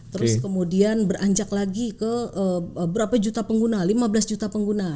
terus kemudian beranjak lagi ke berapa juta pengguna lima belas juta pengguna